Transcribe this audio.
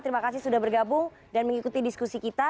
terima kasih sudah bergabung dan mengikuti diskusi kita